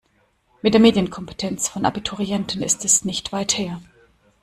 Mit der Medienkompetenz von Abiturienten ist es nicht weit her.